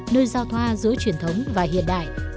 nơi giao thoa giữa truyền thống và hiện đại